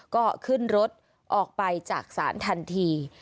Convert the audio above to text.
ก็ขึ้นรถออกไปจากศาลทันที